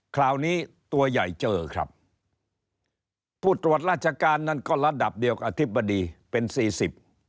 คราวนี้ตัวใหญ่เจอครับผู้ตรวจราชการนั้นก็ระดับเดียวกับอธิบดีเป็นสี่สิบ